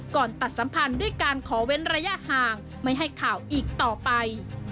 ตัดสัมพันธ์ด้วยการขอเว้นระยะห่างไม่ให้ข่าวอีกต่อไป